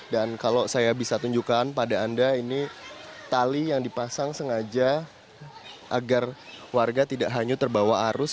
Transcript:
dan kalau saya bisa tunjukkan pada anda ini tali yang dipasang sengaja agar warga tidak hanya terbawa arus